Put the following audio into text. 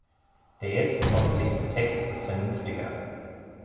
Der jetzt vorgelegte Text ist vernünftiger.